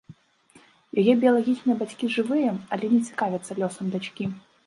Яе біялагічныя бацькі жывыя, але не цікавяцца лёсам дачкі.